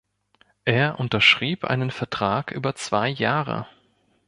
Er unterschrieb einen Vertrag über zwei Jahre.